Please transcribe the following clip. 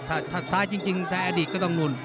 ถ้าซ้ายจริงแต่อดีตก็ต้องนุ่น